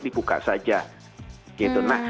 dibuka saja gitu nah